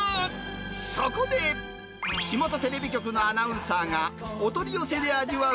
そこで、地元テレビ局のアナウンサーが、お取り寄せで味わう